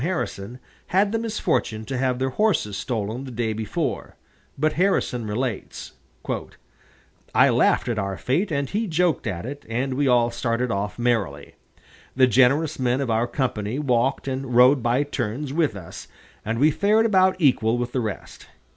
Harrison, had the misfortune to have their horses stolen the day before, but Harrison relates: "I laughed at our fate and he joked at it, and we all started off merrily. The generous men of our company walked and rode by turns with us, and we fared about equal with the rest.